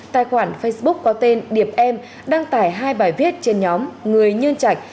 tài khoản facebook có tên điệp em đăng tải hai bài viết trên nhóm người nhân trạch